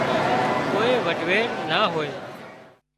ڪوئي وڍويڙ نا هوئي